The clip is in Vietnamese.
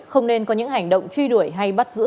không nên có những hành động truy đuổi hay bắt giữ